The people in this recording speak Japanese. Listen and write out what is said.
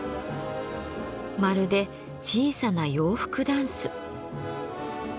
まるで小さな洋服ダンス。